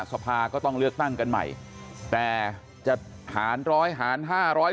สภาก็ต้องเลือกตั้งกันใหม่แต่จะหารร้อยหารห้าร้อย